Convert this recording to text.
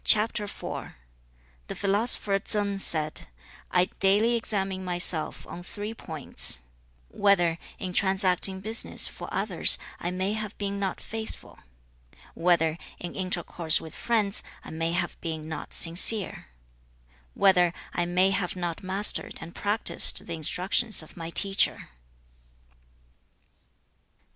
The philosopher Tsang said, 'I daily examine myself on three points: whether, in transacting business for others, I may have been not faithful; whether, in intercourse with friends, I may have been not sincere; whether I may have not mastered and practised the instructions of my teacher.'